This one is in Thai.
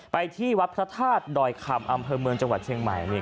ไปที่วัดพระธาตุดอยคำอำเภอเมืองจังหวัดเชียงใหม่